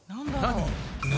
何？